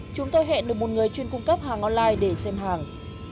chúng tôi hẹn được một người chuyên cung cấp hàng online để xem hàng